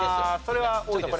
それは多いです。